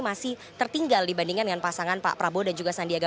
masih tertinggal dibandingkan dengan pasangan pak prabowo dan juga sandiaga